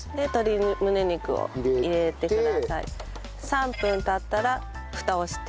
３分経ったら蓋をして。